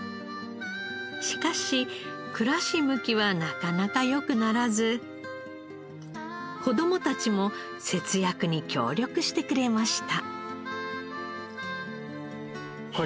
しかし暮らし向きはなかなか良くならず子供たちも節約に協力してくれました。